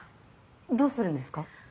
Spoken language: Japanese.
どうするんですか？